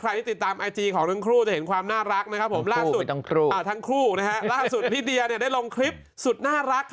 ใครติดตามไอจีของทั้งคู่จะเห็นความน่ารักทั้งคู่ล่าสุดลีเดียได้ลงคลิปสุดน่ารัก